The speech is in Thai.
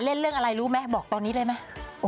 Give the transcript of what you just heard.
เล่นเรื่องอะไรรู้มั้ยบอกตอนนี้เลยมั้ย